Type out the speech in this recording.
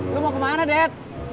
lo mau kemana det